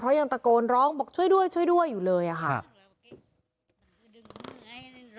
ยังตะโกนร้องบอกช่วยด้วยช่วยด้วยอยู่เลยอะค่ะ